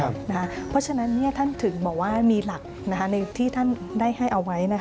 เพราะฉะนั้นท่านถึงบอกว่ามีหลักในที่ท่านได้ให้เอาไว้